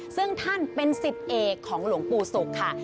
ซึ่งท่านเป็นสิทธิ์เอกของหลวงปู่ศุกร์ค่ะ